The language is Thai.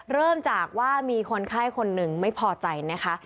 เริ่มจากว่ามีคนไข้คนหนึ่งไม่พอใจนะคะ